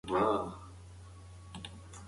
ټولنیز نهاد د ټولنیزو ارزښتونو د پیاوړتیا وسیله ده.